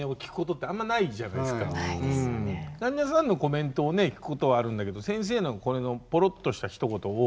患者さんのコメントをね聞くことはあるんだけど先生のポロッとしたひと言を。